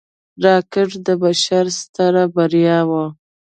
راکټ د بشر ستره بریا وه